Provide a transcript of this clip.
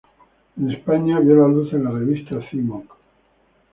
En España, vio la luz en la revista "Cimoc".